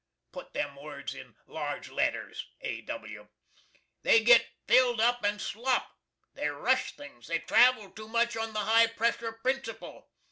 [Put them words in large letters A. W.] They git filled up and slop. They Rush Things. They travel too much on the high presher principle.